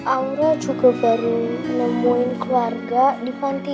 aura juga baru nemuin keluarga di fonty